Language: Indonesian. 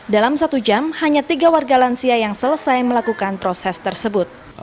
dalam satu jam hanya tiga warga lansia yang selesai melakukan proses tersebut